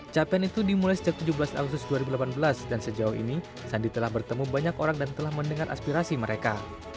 capaian itu dimulai sejak tujuh belas agustus dua ribu delapan belas dan sejauh ini sandi telah bertemu banyak orang dan telah mendengar aspirasi mereka